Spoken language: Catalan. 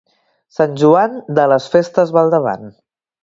Sant Joan, de les festes va al davant.